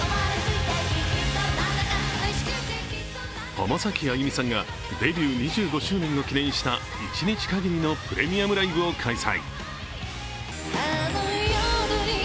浜崎あゆみさんがデビュー２５周年を記念した１日かぎりのプレミアムライブを開催。